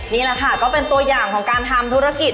นี่แหละค่ะก็เป็นตัวอย่างของการทำธุรกิจ